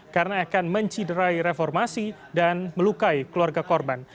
karena akan menciderai reformasi dan melukai keluarga korban